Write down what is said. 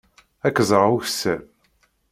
Ad k-ẓreɣ ukessar.